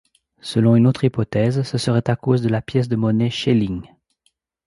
Selon une autre hypothèse, ce serait à cause de la pièce de monnaie Schelling.